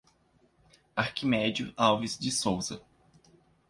Arquimedio Alves de Souza